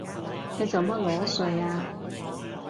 你做乜裸睡啊？